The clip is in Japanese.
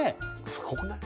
すごくない？